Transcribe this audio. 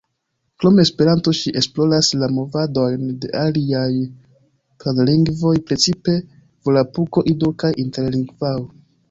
Krom Esperanto ŝi esploras la movadojn de aliaj planlingvoj, precipe volapuko, ido kaj interlingvao.